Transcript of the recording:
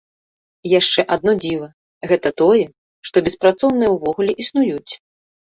Яшчэ адно дзіва, гэта тое, што беспрацоўныя ўвогуле існуюць.